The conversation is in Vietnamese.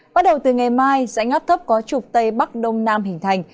bắt đầu từ ngày mai dãy ngắp thấp có trục tây bắc đông nam hình thành